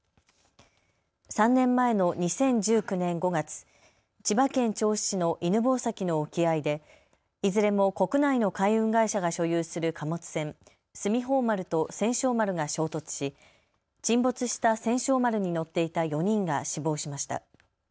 ３年前の２０１９年５月、千葉県銚子市の犬吠埼の沖合でいずれも国内の海運会社が所有する貨物船、すみほう丸と千勝丸が衝突し、沈没した千勝丸に乗っていた４人が死亡しました。